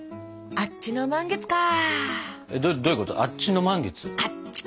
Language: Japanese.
あっちの満月？